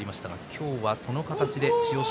今日はその形で千代翔